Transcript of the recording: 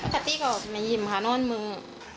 ปกติก่อนไม่ยิ่มค่ะนั่นมึง